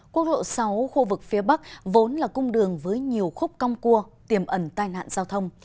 quốc lộ sáu khu vực phía bắc vốn là cung đường với nhiều khúc cong cua tiềm ẩn tai nạn giao thông